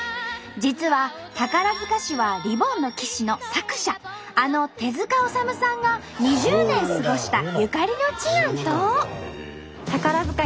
実は宝塚市は「リボンの騎士」の作者あの手治虫さんが２０年過ごしたゆかりの地なんと！